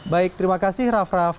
baik terima kasih raff raff